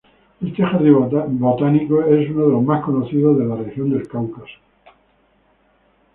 Este jardín botánico es uno de los más conocidos de la región del Cáucaso.